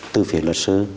từ phía luật sư